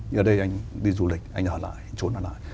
nhưng ở đây anh đi du lịch anh ở lại trốn ở lại